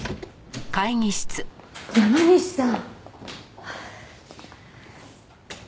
山西さん。